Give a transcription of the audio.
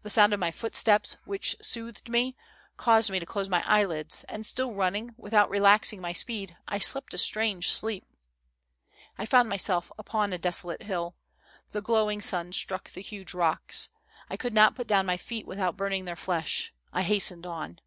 The sound of my footsteps, which soothed me, caused me to close my eyelids, and, still running, without relaxing my speed, I slept a strange sleep. " I found myself upon a desolate hill. The glowing sun struck the huge rocks. I could not put down my feet without burning their flesh. I hastened on.